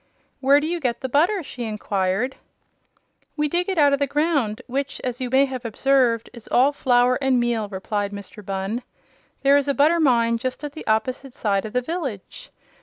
"Where do you get the butter?" she inquired. "We dig it out of the ground, which, as you may have observed, is all flour and meal," replied Mr. Bunn. "There is a butter mine just at the opposite side of the village.